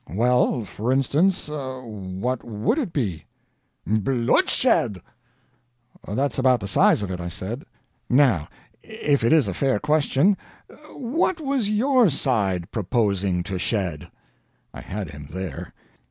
"Well, for instance, what WOULD it be?" "Bloodshed!" "That's about the size of it," I said. "Now, if it is a fair question, what was your side proposing to shed?" I had him there.